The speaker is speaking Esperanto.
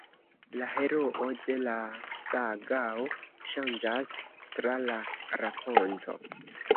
La heroo de la sagao ŝanĝas tra la rakonto.